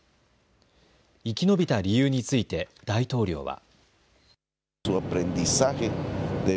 生き延びた理由について大統領は。